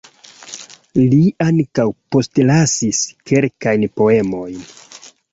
Li ankaŭ postlasis kelkajn poemojn.